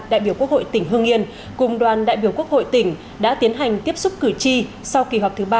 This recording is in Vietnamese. đại biểu quốc hội tỉnh hương yên cùng đoàn đại biểu quốc hội tỉnh đã tiến hành tiếp xúc cử tri sau kỳ họp thứ ba